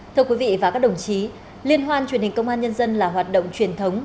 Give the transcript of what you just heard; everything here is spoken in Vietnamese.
thưa quý vị và các đồng chí liên hoan truyền hình công an nhân dân là hoạt động truyền thống